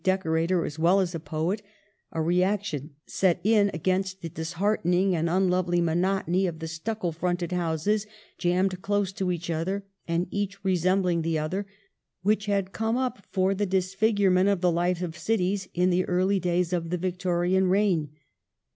399 decorator as well as a poet, a reaction set in against the disheartening and unlovely monotony of the stucco fronted houses, jammed close to each other — and each exactly resembling the other — which had come up for the disfigurement of the life of cities in the early days of the Victorian reign.